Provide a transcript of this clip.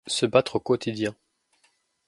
Se battre au quotidien.